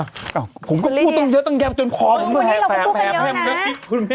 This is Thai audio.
อ้าวคุณผู้ต้องเยอะต้องแก้มจนความแพ้นะครับคุณแม่